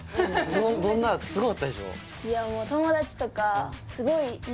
どんなだったすごかったでしょ？